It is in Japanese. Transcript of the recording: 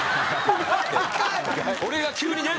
俺が急にね